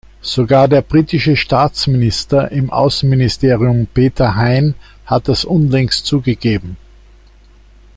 Sogar der britische Staatsminister im Außenministerium Peter Hain hat das unlängst zugegeben.